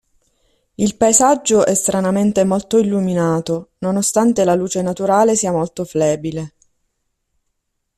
Il paesaggio è stranamente molto illuminato, nonostante la luce naturale sia molto flebile.